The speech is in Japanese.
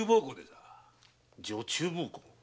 女中奉公。